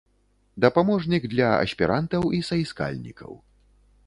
Дапаможнік для аспірантаў і саіскальнікаў.